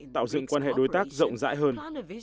tạo dựng quan hệ đối tác rộng rãi hơn